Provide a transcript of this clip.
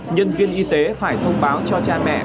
nhân viên y tế phải thông báo cho cha mẹ